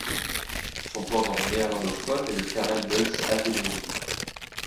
Son pendant néerlandophone est le Karel Buls Atheneum.